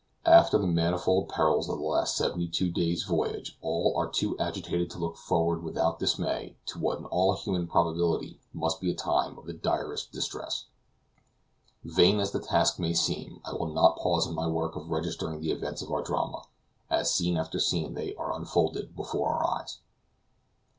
After the manifold perils of the last seventy two days' voyage all are too agitated to look forward without dismay to what in all human probability must be a time of the direst distress. Vain as the task may seem, I will not pause in my work of registering the events of our drama, as scene after scene they are unfolded before our eyes.